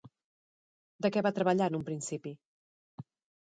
De què va treballar en un principi?